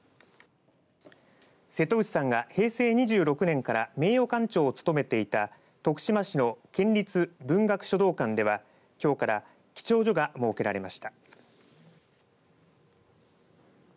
瀬戸内さんが平成２６年から名誉館長を務めていた徳島市の県立文学書道館ではきょうから記帳所が設けられました。